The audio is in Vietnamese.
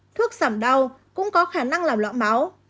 thuốc giảm đau cũng có khả năng làm lõm máu